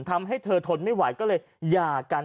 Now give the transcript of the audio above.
ทำให้เธอทนไม่ไหวก็เลยหย่ากัน